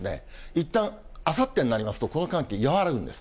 いったん、あさってになりますと、この寒気、和らぐんです。